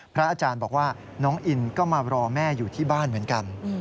พระอาจารย์บอกว่าน้องอินก็มารอแม่อยู่ที่บ้านเหมือนกัน